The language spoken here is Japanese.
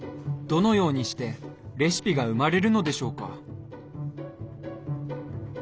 どのようにしてレシピが生まれるのでしょうか？